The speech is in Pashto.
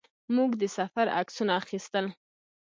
موږ د سفر عکسونه اخیستل.